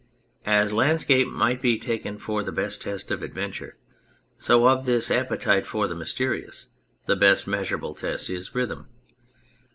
As Landscape might be taken for the best test of Adventure, so of this appetite for the Mysterious the best measurable test is rhythm.